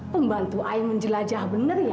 pembantu aik menjelajah bener ya